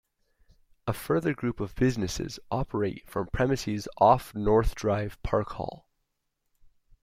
A further group of businesses operate from premises off North Drive, Park Hall.